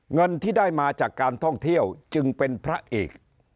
เงินที่ได้มาจากการท่องเที่ยวจึงเป็นพระเอก